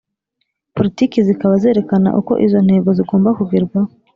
Politiki zikaba zerekana uko izo ntego zigomba kugerwaho